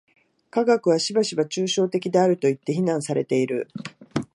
科学はしばしば抽象的であるといって非難されている。